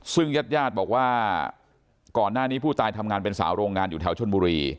ซึ่งญาติญาติบอกว่าก่อนหน้านี้ผู้ตายทำงานเป็นสาวโรงงานอยู่แถวชนบุรี